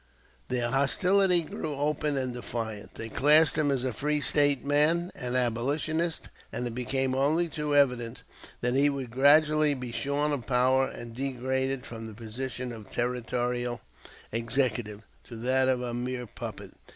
Their hostility grew open and defiant; they classed him as a free State man, an "abolitionist," and it became only too evident that he would gradually be shorn of power and degraded from the position of Territorial Executive to that of a mere puppet.